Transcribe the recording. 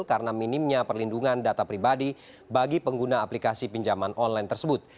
karena minimnya perlindungan data pribadi bagi pengguna aplikasi pinjaman online tersebut